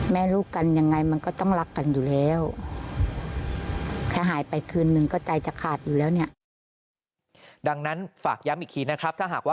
แม่ลูกกันยังไงมันก็ต้องรักกันอยู่แล้ว